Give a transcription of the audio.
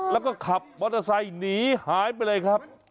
แล้วก็ขับมอเตอร์ไซค์หนีหายไปเลยครับ